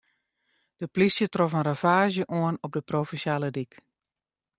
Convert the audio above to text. De polysje trof in ravaazje oan op de provinsjale dyk.